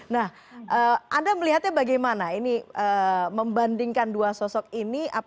nah anda melihatnya bagaimana ini membandingkan dua sosok ini